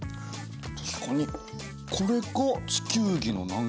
確かにこれが地球儀の南極だろ。